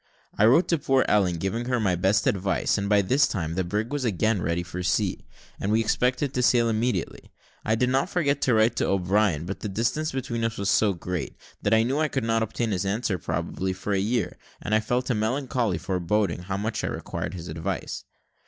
I wrote to poor Ellen, giving her my best advice; and by this time the brig was again ready for sea, and we expected to sail immediately. I did not forget to write to O'Brien, but the distance between us was so great, that I knew I could not obtain his answer, probably, for a year, and I felt a melancholy foreboding, how much I required his advice.